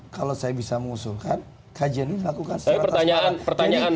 kalau saya bisa mengusulkan kajian ini dilakukan secara taktik